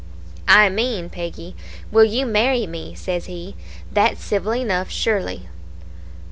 "'I mean, Peggy, will you marry me?' says he; 'that's civil enough, surely.'